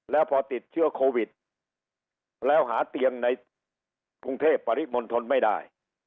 แล้วพอติดเชื้อโควิดแล้วหาเตียงในกรุงเทพปริมณฑลไม่ได้